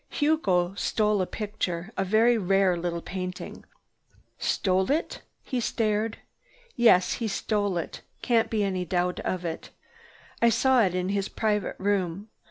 Hugo stole a picture, a very rare little painting." "Stole it?" He stared. "Yes. He stole it. Can't be any doubt of it. I saw it in his private room.